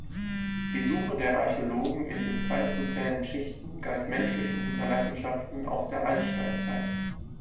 Die Suche der Archäologen in den pleistozänen Schichten galt menschlichen Hinterlassenschaften aus der Altsteinzeit.